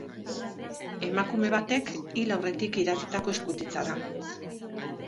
Emakume batek hil aurretik idatzitako eskutitza da.